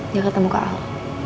dia ketemu ke al